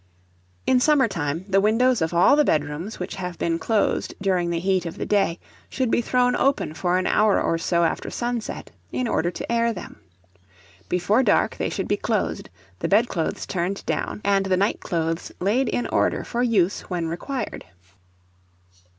In summer time the windows of all the bedrooms, which have been closed during the heat of the day, should be thrown open for an hour or so after sunset, in order to air them. Before dark they should be closed, the bedclothes turned down, and the night clothes laid in order for use when required.